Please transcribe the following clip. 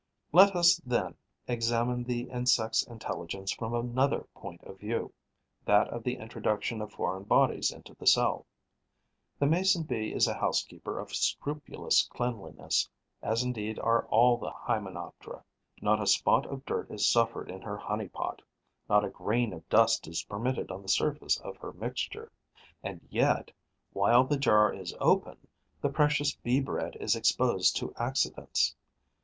Let us, then, examine the insect's intelligence from another point of view, that of the introduction of foreign bodies into the cell. The Mason bee is a housekeeper of scrupulous cleanliness, as indeed are all the Hymenoptera. Not a spot of dirt is suffered in her honey pot; not a grain of dust is permitted on the surface of her mixture. And yet, while the jar is open, the precious Bee bread is exposed to accidents.